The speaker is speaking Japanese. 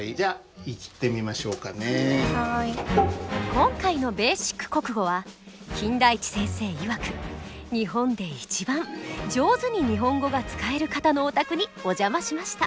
今回の「ベーシック国語」は金田一先生いわく日本で一番上手に日本語が使える方のお宅にお邪魔しました。